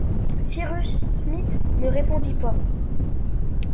Cyrus Smith ne répondit pas.